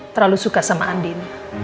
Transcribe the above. terlalu suka sama andin